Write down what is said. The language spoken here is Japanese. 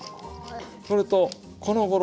それとこのごろ